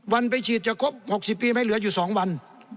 วันไปฉีดจะครบหกสิบปีไม่เหลืออยู่สองวัน